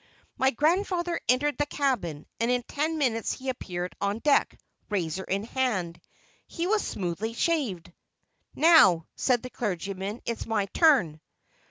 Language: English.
My grandfather entered the cabin, and in ten minutes he appeared upon deck, razor in hand. He was smoothly shaved. "Now," said the clergyman, "it is my turn."